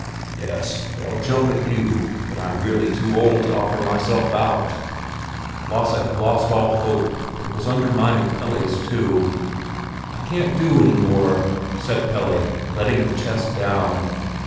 "Yes, they'll jump at you, but I'm really too old to offer myself out." Lasse had lost all hope, and was undermining Pelle's too. "I can't do any more!" said Pelle, letting the chest down.